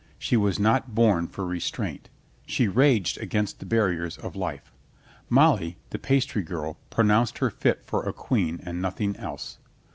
She was not born for restraint. She raged against the barriers of life. Molly, the pastry girl, pronounced her fit for a queen and nothing else.